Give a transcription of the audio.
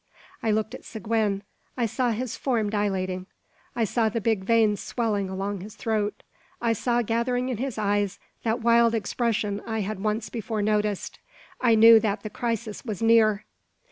I looked at Seguin. I saw his form dilating. I saw the big veins swelling along his throat. I saw gathering in his eyes that wild expression I had once before noticed. I knew that the crisis was near.